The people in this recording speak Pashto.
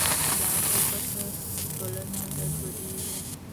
له عقل پرته ټولنه ګډوډېږي.